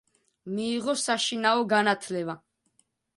მიიღო საშინაო განათლება.